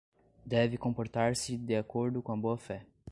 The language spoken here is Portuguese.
deve comportar-se de acordo com a boa-fé